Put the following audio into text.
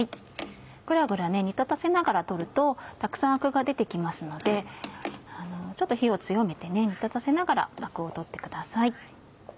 グラグラ煮立たせながら取るとたくさんアクが出て来ますのでちょっと火を強めて煮立たせながらアクを取ってください。